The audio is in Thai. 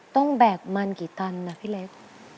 ต้องแบกมันกี่ตันอ่ะพี่เล็ก